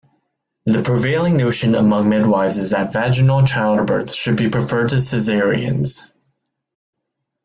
The prevailing notion among midwifes is that vaginal childbirths should be preferred to cesareans.